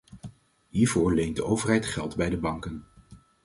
Hiervoor leent de overheid geld bij de banken.